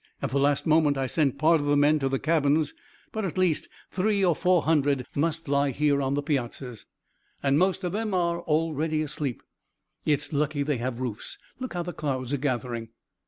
At the last moment I sent part of the men to the cabins, but at least three or four hundred must lie here on the piazzas. And most of them are already asleep. It's lucky they have roofs. Look how the clouds are gathering!"